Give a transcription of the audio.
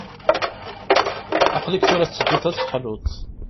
Aql-ik tura tettedduḍ ad teḥluḍ.